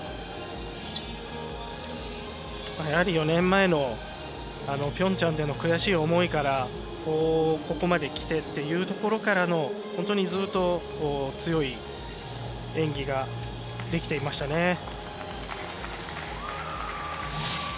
４年前のピョンチャンでの悔しい思いからここまで来てというところからの本当に、ずっと強い演技ができていましたね。